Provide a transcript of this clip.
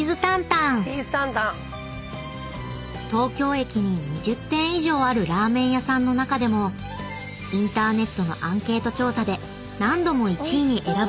［東京駅に２０店以上あるラーメン屋さんの中でもインターネットのアンケート調査で何度も１位に選ばれているお店］